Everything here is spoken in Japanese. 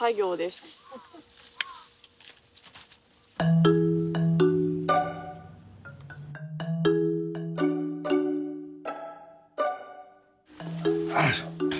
よいしょ。